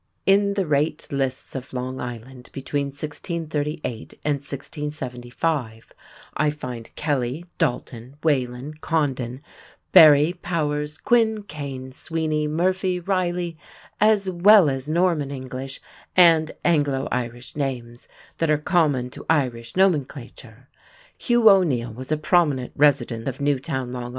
In the rate lists of Long Island between 1638 and 1675, I find Kelly, Dalton, Whelan, Condon, Barry, Powers, Quin, Kane, Sweeney, Murphy, Reilly, as well as Norman Irish and Anglo Irish names that are common to Irish nomenclature. Hugh O'Neale was a prominent resident of Newtown, L.I.